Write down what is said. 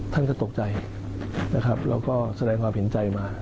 ท่านก็ตกใจและก็แสดงความเห็นใจมา